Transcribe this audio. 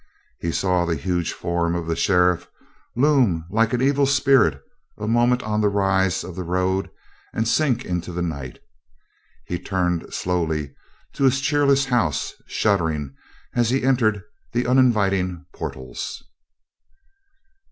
He saw the huge form of the sheriff loom like an evil spirit a moment on the rise of the road and sink into the night. He turned slowly to his cheerless house shuddering as he entered the uninviting portals.